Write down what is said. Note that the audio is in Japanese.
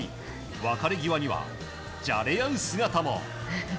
別れ際には、じゃれ合う姿も。